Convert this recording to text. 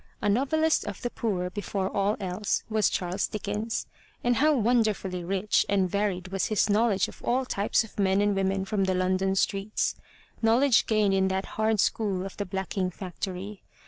A novelist of the poor, before all else, was Charles Dickens, and how wonderfully rich and varied was his knowledge of all types of men and women from the London streets, knowledge gained in that hard school of the blacking factory.